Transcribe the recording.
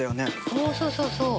おそうそうそう！